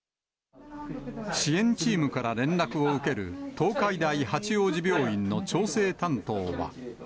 支援チームから連絡を受ける東海大八王子病院の調整担当は。